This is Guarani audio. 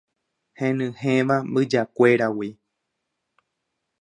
henyhẽva mbyjakuéragui